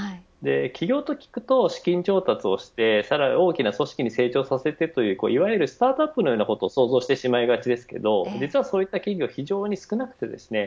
起業と聞くと資金を調達してさらに大きな組織に成長させたといういわゆるスタートアップを想像してしまいがちですが実はそういった企業は少ないです。